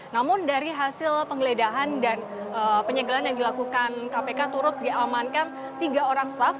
namun dari hasil penggeledahan dan penyegelan yang dilakukan kpk turut diamankan tiga orang staff